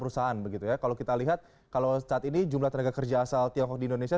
perusahaan begitu ya kalau kita lihat kalau saat ini jumlah tenaga kerja asal tiongkok di indonesia